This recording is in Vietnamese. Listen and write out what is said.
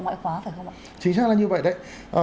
ngoại khóa phải không ạ chính là như vậy đấy